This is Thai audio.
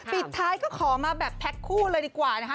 ปิดท้ายก็ขอมาแบบแพ็คคู่เลยดีกว่านะคะ